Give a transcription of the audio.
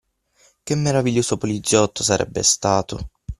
Che meraviglioso poliziotto sarebbe stato!